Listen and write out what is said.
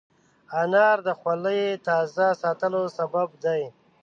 انار د خولې تازه ساتلو سبب دی.